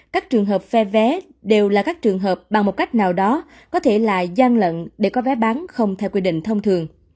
các trường hợp phe vé đều là các trường hợp bằng một cách nào đó có thể là gian lận để có vé bán không theo quy định thông thường